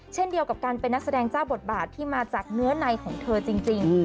เช่นเดียวกับการเป็นนักแสดงเจ้าบทบาทที่มาจากเนื้อในของเธอจริง